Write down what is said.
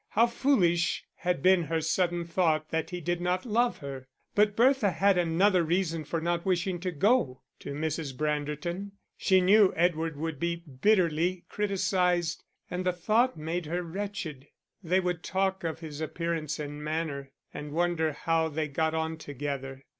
How foolish had been her sudden thought that he did not love her! But Bertha had another reason for not wishing to go to Mrs. Branderton. She knew Edward would be bitterly criticised, and the thought made her wretched; they would talk of his appearance and manner, and wonder how they got on together.